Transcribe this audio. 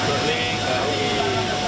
dari pulau mawar